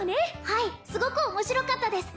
「はいすごく面白かったです」